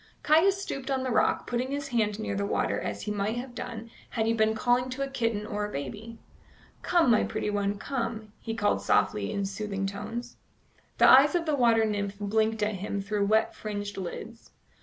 Caius stooped on the rock, putting his hand near the water as he might have done had he been calling to a kitten or a baby. "Come, my pretty one, come," he called softly in soothing tones. The eyes of the water nymph blinked at him through wet fringed lids.